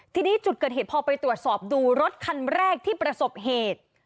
ทีนี้จุดเกิดเหตุพอไปตรวจสอบดูรถคันแรกที่ประสบเหตุ